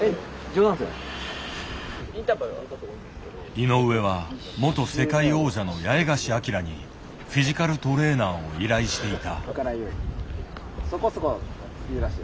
井上は元世界王者の八重樫東にフィジカルトレーナーを依頼していた。